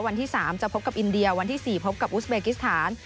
วันที่๓จะพบกับอินเดียวันที่๔พบกับอุสเบกิสถาน